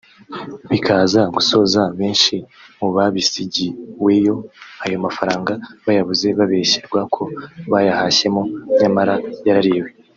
bikaza gusoza benshi mu basigiweyo ayo mafaranga bayabuze (babeshyerwa ko bayahashyemo nyamara yarariwe